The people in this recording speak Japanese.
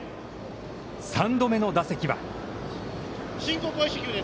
３度目の打席は。